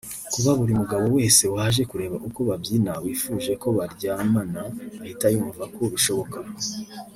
Kuba buri mugabo wese waje kureba uko babyina wifuje ko baryamana ahita yumva ko bishoboka;